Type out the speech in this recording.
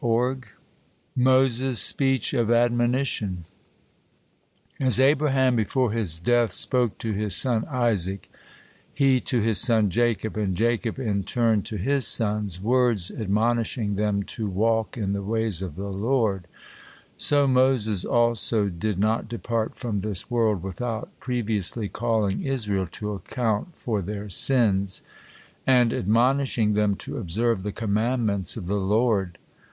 MOSES' SPEECH OF ADMONITION As Abraham before his death spoke to his son Isaac, he to his son Jacob, and Jacob in turn to his sons, words admonishing them to walk in the ways of the Lord, so Moses also did not depart from this world without previously calling Israel to account for their sins, and admonishing them to observe the commandments of the Lord.